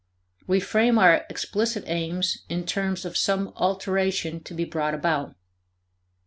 We frame our explicit aims in terms of some alteration to be brought about.